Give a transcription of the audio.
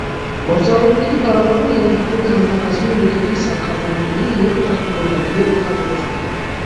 Գործառույթների կառավարումը ենթադրում է անձնակազմի, նյութերի, սարքավորումների և տեխնոլոգիաների օգտագործում։